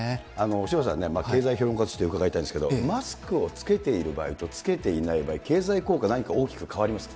渋谷さんね、経済評論家として伺いたいんですけど、マスクを着けている場合と着けていない場合、経済効果、何か大きく変わりますか？